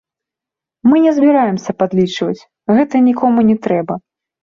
Мы не збіраемся падлічваць, гэта нікому не трэба.